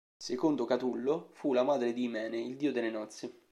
Secondo Catullo, fu la madre di Imene, il dio delle nozze.